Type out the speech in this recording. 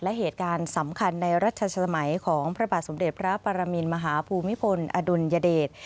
และเหตุการณ์สำคัญในรัชสมัยของพระบาทสมเด็จพระปรมินมหาภูมิพลอดุลยเดช